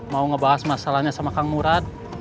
mau ngebahas masalahnya sama kang murad